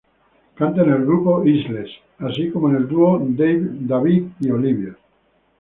Canta en el grupo "Isles" así como en el duo "David and Olivia".